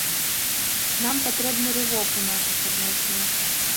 Нам патрэбны рывок у нашых адносінах.